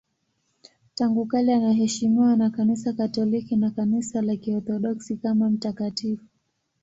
Tangu kale anaheshimiwa na Kanisa Katoliki na Kanisa la Kiorthodoksi kama mtakatifu.